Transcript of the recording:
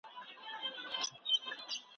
نوې پریکړه به نن اعلان سي.